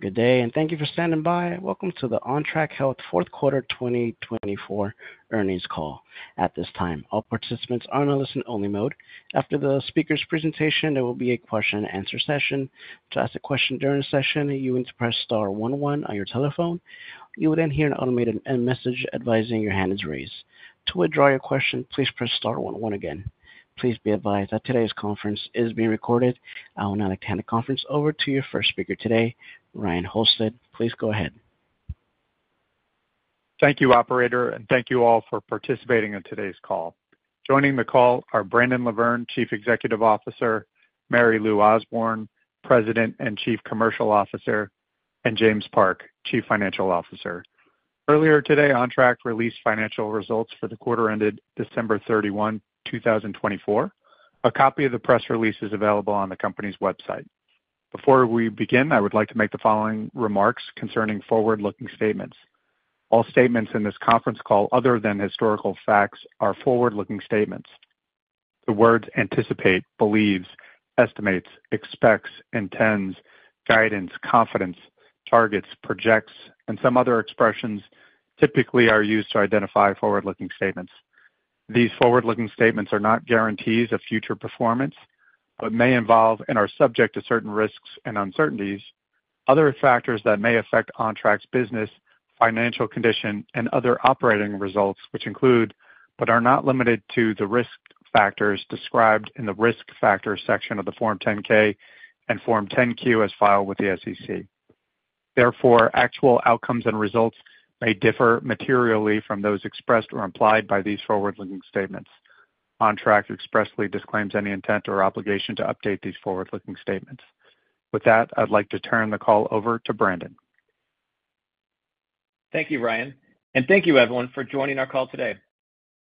Good day, and thank you for standing by. Welcome to the Ontrak Health Fourth Quarter 2024 Earnings Call. At this time, all participants are in a listen-only mode. After the speaker's presentation, there will be a question-and-answer session. To ask a question during the session, you will need to press star 11 on your telephone. You will then hear an automated message advising your hand is raised. To withdraw your question, please press star 11 again. Please be advised that today's conference is being recorded. I will now like to hand the conference over to your first speaker today, Ryan Halsted. Please go ahead. Thank you, Operator, and thank you all for participating in today's call. Joining the call are Brandon LaVerne, Chief Executive Officer; Mary Lou Osborne, President and Chief Commercial Officer; and James Park, Chief Financial Officer. Earlier today, Ontrak released financial results for the quarter ended December 31, 2024. A copy of the press release is available on the company's website. Before we begin, I would like to make the following remarks concerning forward-looking statements. All statements in this conference call, other than historical facts, are forward-looking statements. The words anticipate, believes, estimates, expects, intends, guidance, confidence, targets, projects, and some other expressions typically are used to identify forward-looking statements. These forward-looking statements are not guarantees of future performance, but may involve and are subject to certain risks and uncertainties, other factors that may affect Ontrak's business, financial condition, and other operating results, which include, but are not limited to, the risk factors described in the risk factor section of the Form 10-K and Form 10-Q as filed with the SEC. Therefore, actual outcomes and results may differ materially from those expressed or implied by these forward-looking statements. Ontrak expressly disclaims any intent or obligation to update these forward-looking statements. With that, I'd like to turn the call over to Brandon. Thank you, Ryan, and thank you, everyone, for joining our call today.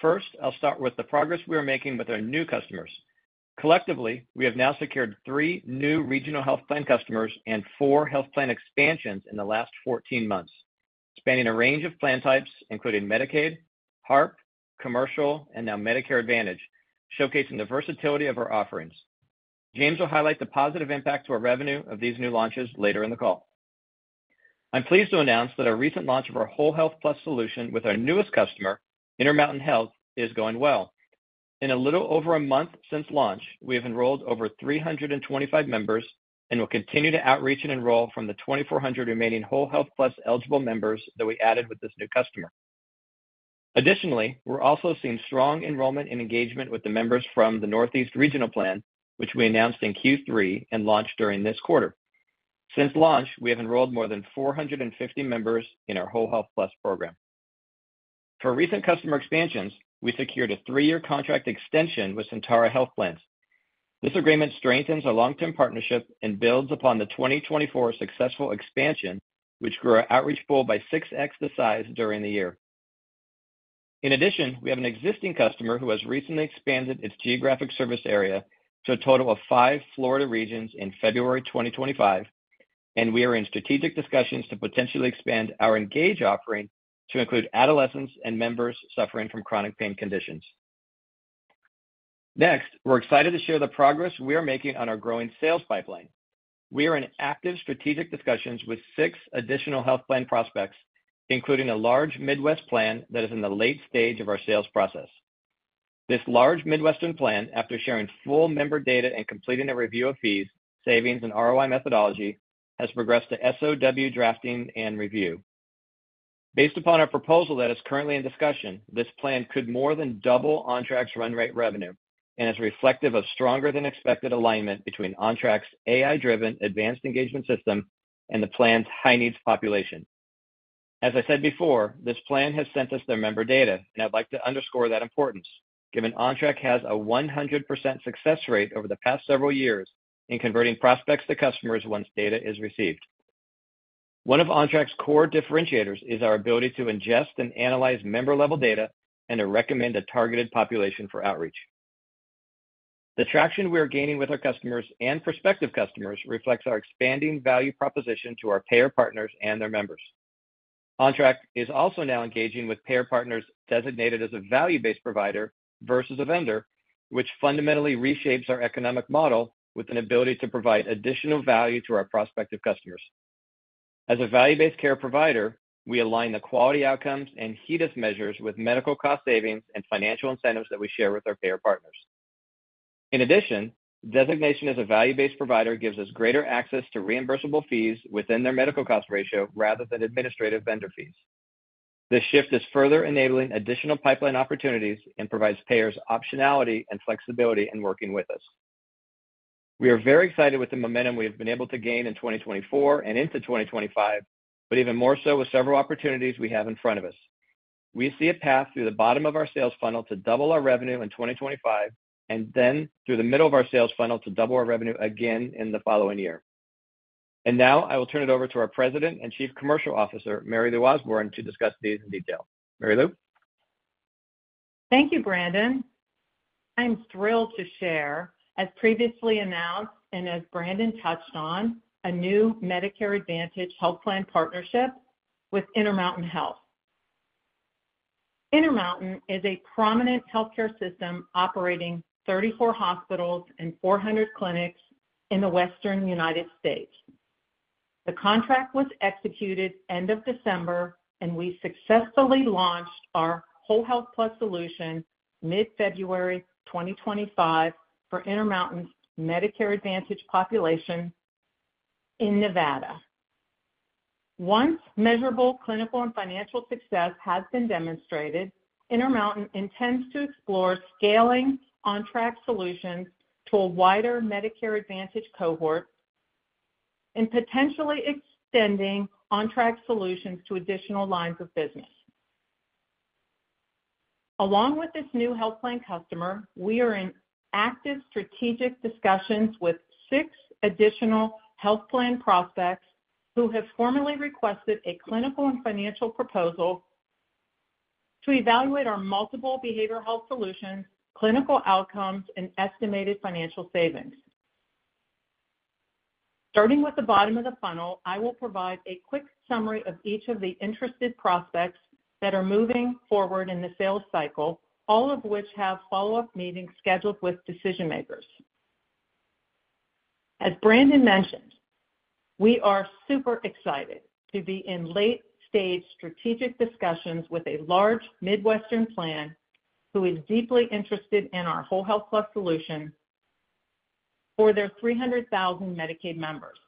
First, I'll start with the progress we are making with our new customers. Collectively, we have now secured three new regional health plan customers and four health plan expansions in the last 14 months, spanning a range of plan types, including Medicaid, HARP, commercial, and now Medicare Advantage, showcasing the versatility of our offerings. James will highlight the positive impact to our revenue of these new launches later in the call. I'm pleased to announce that our recent launch of our WholeHealth Plus solution with our newest customer, Intermountain Health, is going well. In a little over a month since launch, we have enrolled over 325 members and will continue to outreach and enroll from the 2,400 remaining WholeHealth Plus eligible members that we added with this new customer. Additionally, we're also seeing strong enrollment and engagement with the members from the Northeast Regional Plan, which we announced in Q3 and launched during this quarter. Since launch, we have enrolled more than 450 members in our WholeHealth Plus program. For recent customer expansions, we secured a three-year contract extension with Sentara Health Plans. This agreement strengthens our long-term partnership and builds upon the 2024 successful expansion, which grew our outreach pool by six X the size during the year. In addition, we have an existing customer who has recently expanded its geographic service area to a total of five Florida regions in February 2025, and we are in strategic discussions to potentially expand our Engage offering to include adolescents and members suffering from chronic pain conditions. Next, we're excited to share the progress we are making on our growing sales pipeline. We are in active strategic discussions with six additional health plan prospects, including a large Midwest plan that is in the late stage of our sales process. This large Midwestern plan, after sharing full member data and completing a review of fees, savings, and ROI methodology, has progressed to SOW drafting and review. Based upon our proposal that is currently in discussion, this plan could more than double Ontrak's run rate revenue and is reflective of stronger-than-expected alignment between Ontrak's AI-driven advanced engagement system and the plan's high-needs population. As I said before, this plan has sent us their member data, and I'd like to underscore that importance, given Ontrak has a 100% success rate over the past several years in converting prospects to customers once data is received. One of Ontrak's core differentiators is our ability to ingest and analyze member-level data and to recommend a targeted population for outreach. The traction we are gaining with our customers and prospective customers reflects our expanding value proposition to our payer partners and their members. Ontrak is also now engaging with payer partners designated as a value-based provider versus a vendor, which fundamentally reshapes our economic model with an ability to provide additional value to our prospective customers. As a value-based care provider, we align the quality outcomes and HEDIS measures with medical cost savings and financial incentives that we share with our payer partners. In addition, designation as a value-based provider gives us greater access to reimbursable fees within their medical cost ratio rather than administrative vendor fees. This shift is further enabling additional pipeline opportunities and provides payers optionality and flexibility in working with us. We are very excited with the momentum we have been able to gain in 2024 and into 2025, but even more so with several opportunities we have in front of us. We see a path through the bottom of our sales funnel to double our revenue in 2025, and then through the middle of our sales funnel to double our revenue again in the following year. I will turn it over to our President and Chief Commercial Officer, Mary Lou Osborne, to discuss these in detail. Mary Lou? Thank you, Brandon. I'm thrilled to share, as previously announced and as Brandon touched on, a new Medicare Advantage health plan partnership with Intermountain Health. Intermountain is a prominent healthcare system operating 34 hospitals and 400 clinics in the Western United States. The contract was executed end of December, and we successfully launched our WholeHealth Plus solution mid-February 2025 for Intermountain's Medicare Advantage population in Nevada. Once measurable clinical and financial success has been demonstrated, Intermountain intends to explore scaling Ontrak solutions to a wider Medicare Advantage cohort and potentially extending Ontrak solutions to additional lines of business. Along with this new health plan customer, we are in active strategic discussions with six additional health plan prospects who have formally requested a clinical and financial proposal to evaluate our multiple behavioral health solutions, clinical outcomes, and estimated financial savings. Starting with the bottom of the funnel, I will provide a quick summary of each of the interested prospects that are moving forward in the sales cycle, all of which have follow-up meetings scheduled with decision-makers. As Brandon mentioned, we are super excited to be in late-stage strategic discussions with a large Midwestern plan who is deeply interested in our WholeHealth Plus solution for their 300,000 Medicaid members.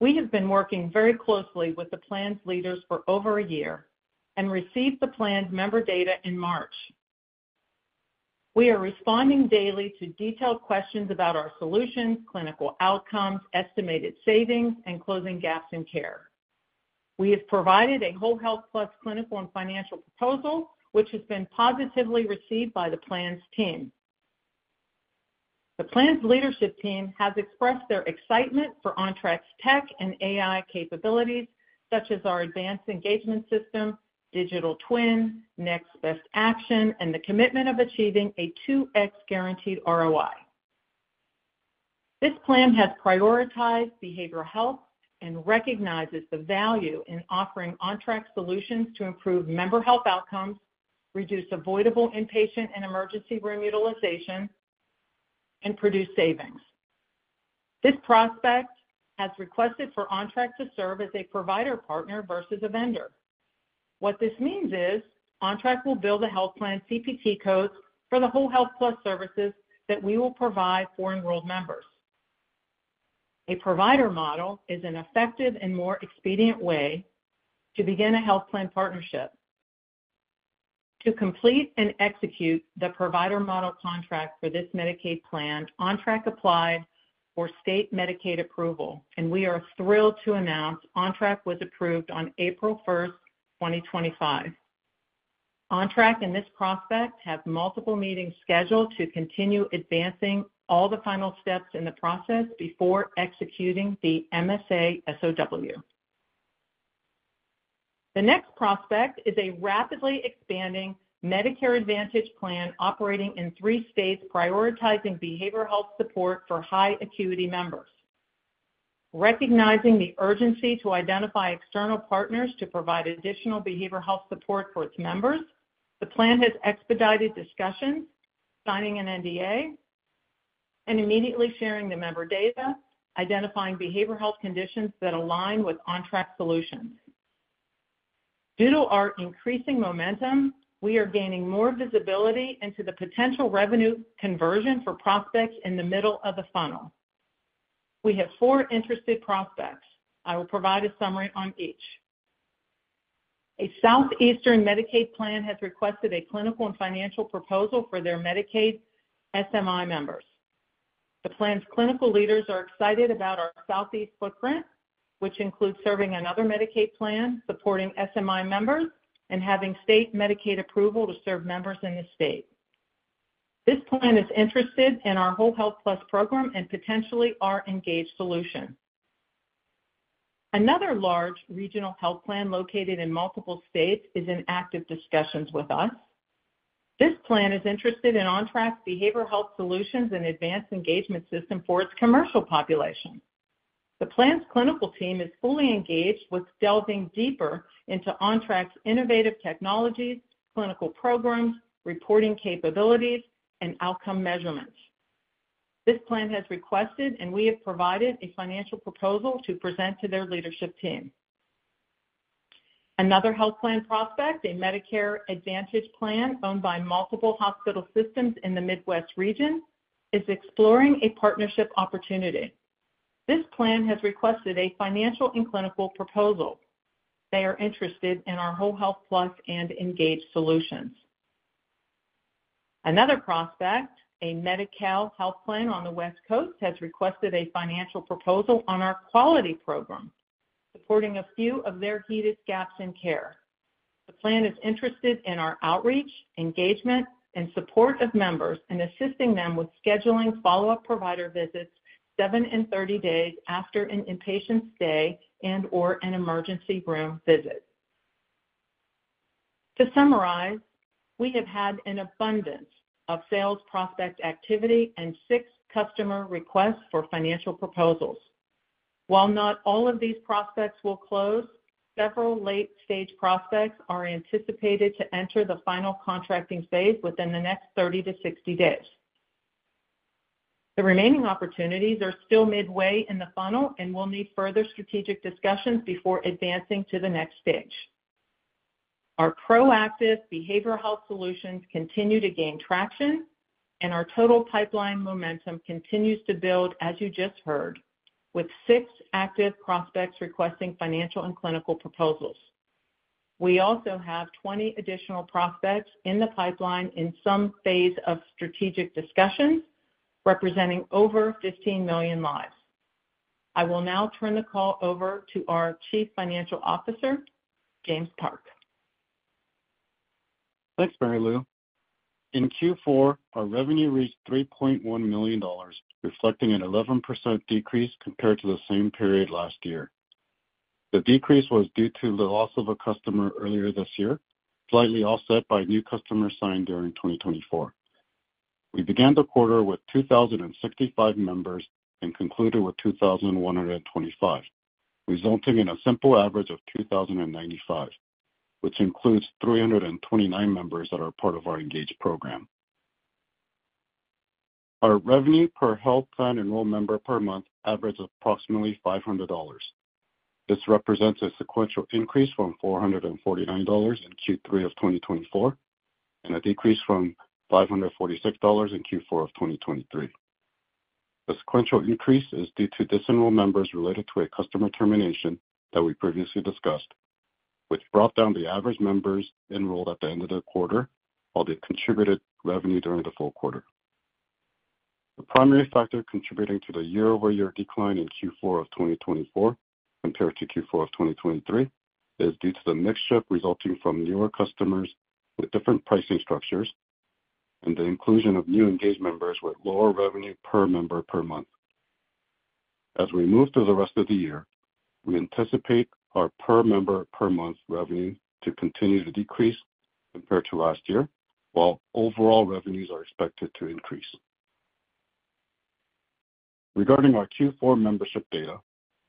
We have been working very closely with the plan's leaders for over a year and received the plan's member data in March. We are responding daily to detailed questions about our solutions, clinical outcomes, estimated savings, and closing gaps in care. We have provided a WholeHealth Plus clinical and financial proposal, which has been positively received by the plan's team. The plan's leadership team has expressed their excitement for Ontrak's tech and AI capabilities, such as our advanced engagement system, digital twin, next best action, and the commitment of achieving a 2X guaranteed ROI. This plan has prioritized behavioral health and recognizes the value in offering Ontrak solutions to improve member health outcomes, reduce avoidable inpatient and emergency room utilization, and produce savings. This prospect has requested for Ontrak to serve as a provider partner versus a vendor. What this means is Ontrak will build a health plan CPT codes for the WholeHealth Plus services that we will provide for enrolled members. A provider model is an effective and more expedient way to begin a health plan partnership. To complete and execute the provider model contract for this Medicaid plan, Ontrak applied for state Medicaid approval, and we are thrilled to announce Ontrak was approved on April 1st 2025. Ontrak and this prospect have multiple meetings scheduled to continue advancing all the final steps in the process before executing the MSA SOW. The next prospect is a rapidly expanding Medicare Advantage plan operating in three states, prioritizing behavioral health support for high acuity members. Recognizing the urgency to identify external partners to provide additional behavioral health support for its members, the plan has expedited discussions, signing an NDA, and immediately sharing the member data, identifying behavioral health conditions that align with Ontrak solutions. Due to our increasing momentum, we are gaining more visibility into the potential revenue conversion for prospects in the middle of the funnel. We have four interested prospects. I will provide a summary on each. A southeastern Medicaid plan has requested a clinical and financial proposal for their Medicaid SMI members. The plan's clinical leaders are excited about our southeast footprint, which includes serving another Medicaid plan, supporting SMI members, and having state Medicaid approval to serve members in the state. This plan is interested in our WholeHealth Plus program and potentially our Engage solution. Another large regional health plan located in multiple states is in active discussions with us. This plan is interested in Ontrak's behavioral health solutions and advanced engagement system for its commercial population. The plan's clinical team is fully engaged with delving deeper into Ontrak's innovative technologies, clinical programs, reporting capabilities, and outcome measurements. This plan has requested, and we have provided a financial proposal to present to their leadership team. Another health plan prospect, a Medicare Advantage plan owned by multiple hospital systems in the Midwest region, is exploring a partnership opportunity. This plan has requested a financial and clinical proposal. They are interested in our WholeHealth Plus and Engage solutions. Another prospect, a Medi-Cal health plan on the West Coast, has requested a financial proposal on our quality program, supporting a few of their HEDIS gaps in care. The plan is interested in our outreach, engagement, and support of members, and assisting them with scheduling follow-up provider visits 7 and 30 days after an inpatient stay and/or an emergency room visit. To summarize, we have had an abundance of sales prospect activity and six customer requests for financial proposals. While not all of these prospects will close, several late-stage prospects are anticipated to enter the final contracting phase within the next 30-60 days. The remaining opportunities are still midway in the funnel and will need further strategic discussions before advancing to the next stage. Our proactive behavioral health solutions continue to gain traction, and our total pipeline momentum continues to build, as you just heard, with six active prospects requesting financial and clinical proposals. We also have 20 additional prospects in the pipeline in some phase of strategic discussions, representing over 15 million lives. I will now turn the call over to our Chief Financial Officer, James Park. Thanks, Mary Lou. In Q4, our revenue reached $3.1 million, reflecting an 11% decrease compared to the same period last year. The decrease was due to the loss of a customer earlier this year, slightly offset by a new customer signed during 2024. We began the quarter with 2,065 members and concluded with 2,125, resulting in a simple average of 2,095, which includes 329 members that are part of our Engage program. Our revenue per health plan enrolled member per month averages approximately $500. This represents a sequential increase from $449 in Q3 of 2024 and a decrease from $546 in Q4 of 2023. The sequential increase is due to disenrolled members related to a customer termination that we previously discussed, which brought down the average members enrolled at the end of the quarter while they contributed revenue during the full quarter. The primary factor contributing to the year-over-year decline in Q4 of 2024 compared to Q4 of 2023 is due to the mixture resulting from newer customers with different pricing structures and the inclusion of new Engage members with lower revenue per member per month. As we move through the rest of the year, we anticipate our per member per month revenue to continue to decrease compared to last year, while overall revenues are expected to increase. Regarding our Q4 membership data,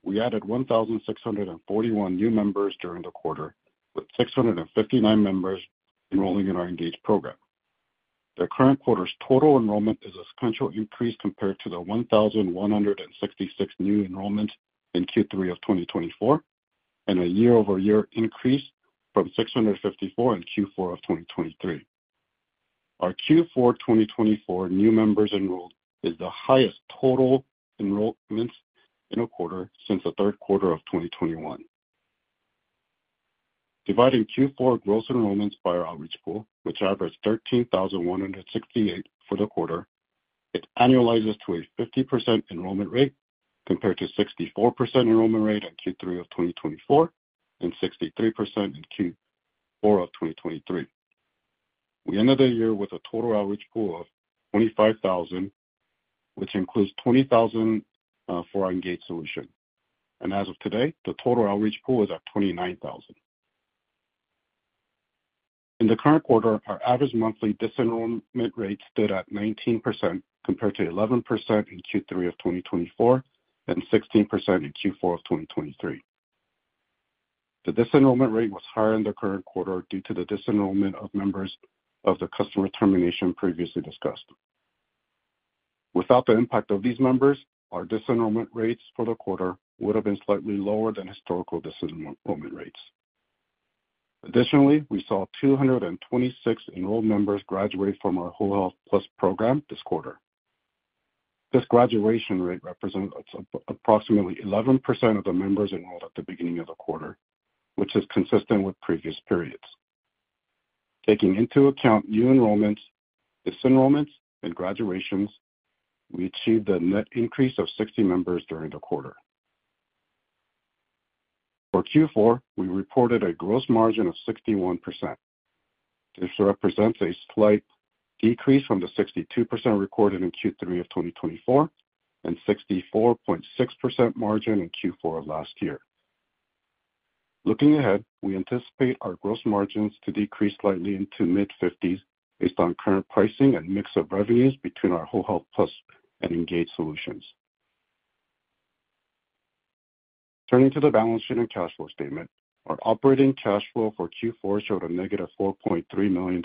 we added 1,641 new members during the quarter, with 659 members enrolling in our Engage program. The current quarter's total enrollment is a sequential increase compared to the 1,166 new enrollments in Q3 of 2024 and a year-over-year increase from 654 in Q4 of 2023. Our Q4 2024 new members enrolled is the highest total enrollments in a quarter since the third quarter of 2021. Dividing Q4 gross enrollments by our outreach pool, which averaged 13,168 for the quarter, it annualizes to a 50% enrollment rate compared to a 64% enrollment rate in Q3 of 2024 and 63% in Q4 of 2023. We ended the year with a total outreach pool of 25,000, which includes 20,000 for our Engage solution. As of today, the total outreach pool is at 29,000. In the current quarter, our average monthly disenrollment rate stood at 19% compared to 11% in Q3 of 2024 and 16% in Q4 of 2023. The disenrollment rate was higher in the current quarter due to the disenrollment of members of the customer termination previously discussed. Without the impact of these members, our disenrollment rates for the quarter would have been slightly lower than historical disenrollment rates. Additionally, we saw 226 enrolled members graduate from our WholeHealth Plus program this quarter. This graduation rate represents approximately 11% of the members enrolled at the beginning of the quarter, which is consistent with previous periods. Taking into account new enrollments, disenrollments, and graduations, we achieved a net increase of 60 members during the quarter. For Q4, we reported a gross margin of 61%. This represents a slight decrease from the 62% recorded in Q3 of 2024 and 64.6% margin in Q4 of last year. Looking ahead, we anticipate our gross margins to decrease slightly into mid-50% based on current pricing and mix of revenues between our WholeHealth Plus and Engage solutions. Turning to the balance sheet and cash flow statement, our operating cash flow for Q4 showed a -$4.3 million.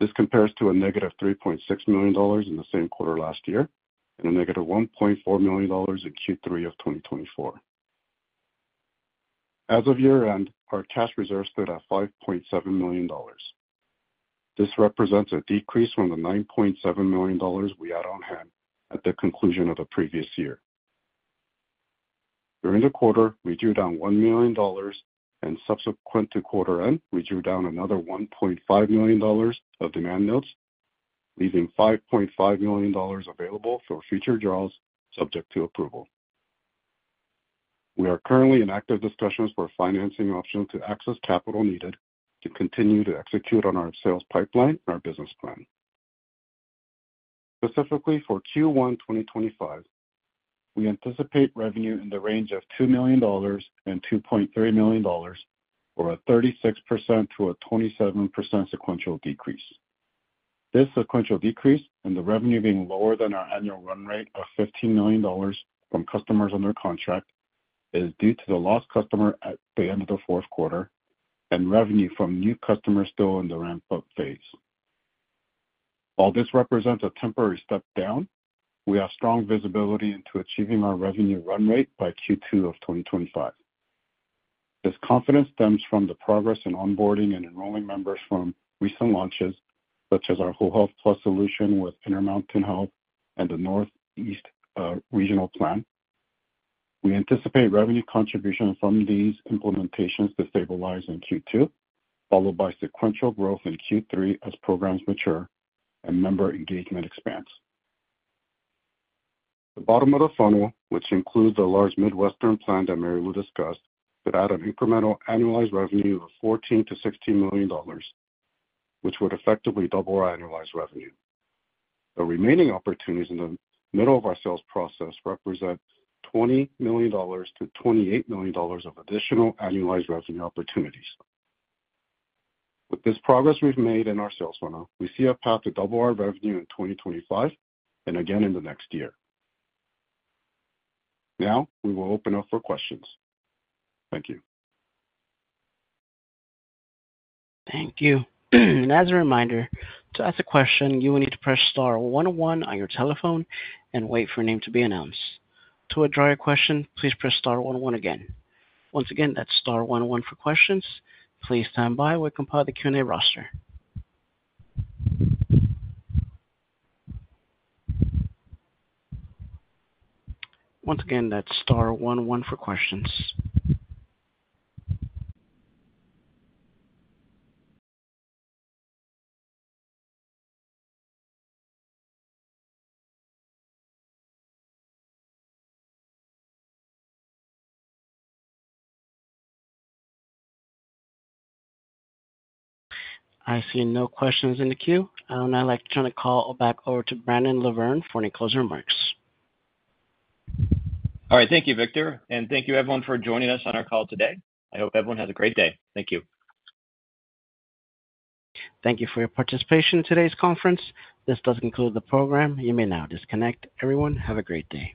This compares to a -$3.6 million in the same quarter last year and a -$1.4 million in Q3 of 2024. As of year-end, our cash reserve stood at $5.7 million. This represents a decrease from the $9.7 million we had on hand at the conclusion of the previous year. During the quarter, we drew down $1 million, and subsequent to quarter end, we drew down another $1.5 million of demand notes, leaving $5.5 million available for future draws subject to approval. We are currently in active discussions for financing options to access capital needed to continue to execute on our sales pipeline and our business plan. Specifically for Q1 2025, we anticipate revenue in the range of $2 million-$2.3 million, or a 36%-27% sequential decrease. This sequential decrease and the revenue being lower than our annual run rate of $15 million from customers under contract is due to the lost customer at the end of the fourth quarter and revenue from new customers still in the ramp-up phase. While this represents a temporary step down, we have strong visibility into achieving our revenue run rate by Q2 of 2025. This confidence stems from the progress in onboarding and enrolling members from recent launches, such as our WholeHealth Plus solution with Intermountain Health and the Northeast Regional Plan. We anticipate revenue contribution from these implementations to stabilize in Q2, followed by sequential growth in Q3 as programs mature and member engagement expands. The bottom of the funnel, which includes the large Midwestern plan that Mary Louise Osborne discussed, could add an incremental annualized revenue of $14-$16 million, which would effectively double our annualized revenue. The remaining opportunities in the middle of our sales process represent $20 million-$28 million of additional annualized revenue opportunities. With this progress we've made in our sales funnel, we see a path to double our revenue in 2025 and again in the next year. Now, we will open up for questions. Thank you. Thank you. As a reminder, to ask a question, you will need to press Star 11 on your telephone and wait for your name to be announced. To withdraw your question, please press Star 11 again. Once again, that's Star 11 for questions. Please stand by while we compile the Q&A roster. Once again, that's Star 11 for questions. I see no questions in the queue. I would now like to turn the call back over to Brandon LaVerne for any closing remarks. All right. Thank you, Victor. Thank you, everyone, for joining us on our call today. I hope everyone has a great day. Thank you. Thank you for your participation in today's conference. This does conclude the program. You may now disconnect. Everyone, have a great day.